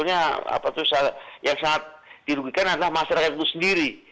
yang sebetulnya apa tuh yang sangat dilukikan adalah masyarakat itu sendiri